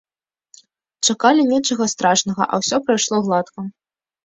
Чакалі нечага страшнага, а ўсё прайшло гладка.